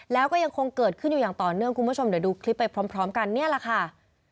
แล้วก็ยังคงเกิดขึ้นอยู่อย่างต่อเนื่องคุณผู้ชมเดี๋ยวดูคลิปไปพร้อมกันเนี่ยแหละค่ะ